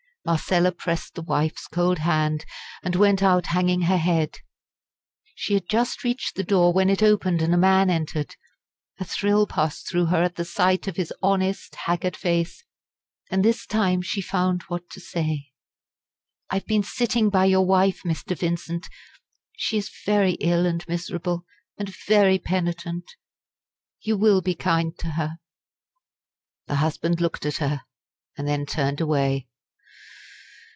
Marcella pressed the wife's cold hand, and went out hanging her head. She had just reached the door when it opened, and a man entered. A thrill passed through her at the sight of his honest, haggard face, and this time she found what to say. "I have been sitting by your wife, Mr. Vincent. She is very ill and miserable, and very penitent. You will be kind to her?" The husband looked at her, and then turned away.